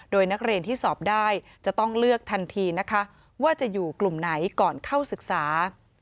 โดยนักเรียนที่สอบได้จะต้องเลือกทันทีนะคะว่าจะอยู่กลุ่มไหนก่อนเข้าศึกษา